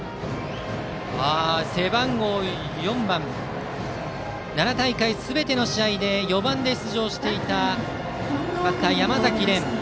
背番号４番奈良大会すべての試合で４番で出場していた山崎漣音。